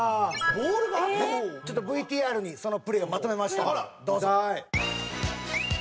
ちょっとＶＴＲにそのプレーをまとめましたんでどうぞ！